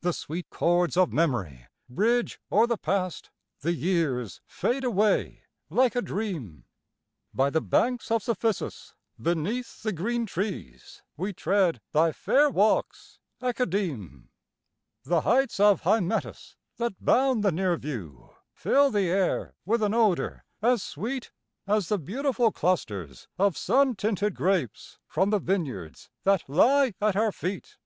The sweet chords of Memory bridge o'er the Past, The years fade away like a dream, By the banks of Cephissus, beneath the green trees, We tread thy fair walks, Academe. The heights of Hymettus that bound the near view Fill the air with an odor as sweet As the beautiful clusters of sun tinted grapes From the vineyards that lie at our feet.